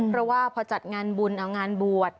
เพราะว่าพอจัดงานบุญเอางานบวช